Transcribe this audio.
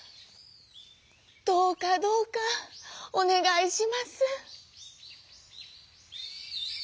「どうかどうかおねがいします」。